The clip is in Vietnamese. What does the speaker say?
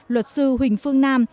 luật sư huỳnh phương nam